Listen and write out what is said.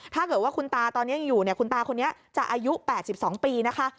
ถ้าเกิดว่าคุณตาตอนนี้ยังอยู่เนี่ยคุณตาคนนี้จะอายุ๘๒ปีนะคะ